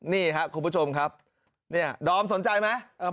นี่ค่ะคุณผู้ชมครับดอมสนใจไหม